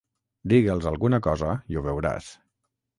Digue'ls alguna cosa i ho veuràs.